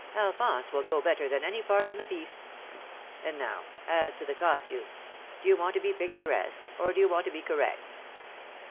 " Alphonse will go better than any part in the piece. And now as to the costumes. Do you want to be picturesque, or do you want to be correct